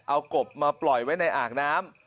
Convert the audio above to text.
เอากบมาปล่อยไว้ในอ่างน้ำ